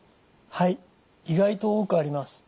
はい意外と多くあります。